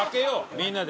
みんなで。